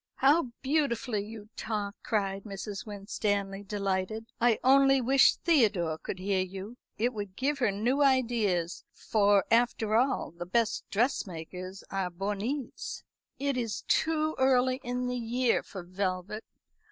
"How beautifully you talk," cried Mrs. Winstanley, delighted. "I only wish Theodore could hear you. It would give her new ideas; for, after all, the best dressmakers are bornées. It is too early in the year for velvet.